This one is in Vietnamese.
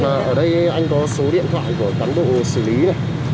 hoặc là ở đây anh có số điện thoại của cán bộ xử lý này